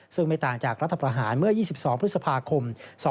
ซึ่งไม่ต่างจากรัฐประหารเมื่อ๒๒พฤษภาคม๒๕๖๒